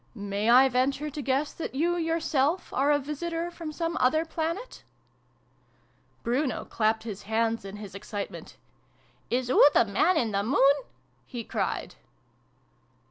"May I venture to guess that you yourself are a visitor from some other planet ?" Bruno clapped his hands in his excitement. " Is oo the Man in the Moon ?" he cried.